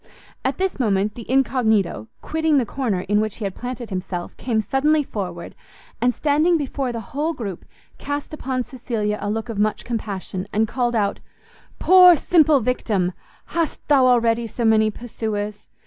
At this moment the incognito, quitting the corner in which he had planted himself, came suddenly forward, and standing before the whole group, cast upon Cecilia a look of much compassion, and called out, "Poor simple victim! hast thou already so many pursuers?